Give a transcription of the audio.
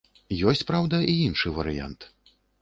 Ёсць, праўда, і іншы варыянт.